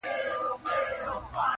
o ژونده راسه څو د میني ترانې سه,